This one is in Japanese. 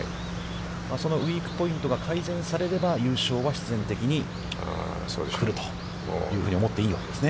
そのウイークポイントが改善されれば優勝は必然的に来るというふうに思っていいようですね。